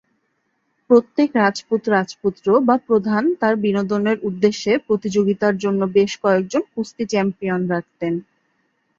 প্রত্যেক রাজপুত রাজপুত্র বা প্রধান তাঁর বিনোদনের উদ্দেশ্যে প্রতিযোগিতার জন্য বেশ কয়েক জন কুস্তি চ্যাম্পিয়ন রাখতেন।